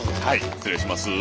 失礼します。